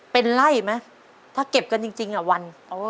เป็นไล่ไหมถ้าเก็บกันจริงวัน